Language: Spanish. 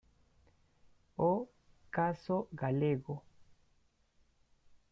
O caso galego".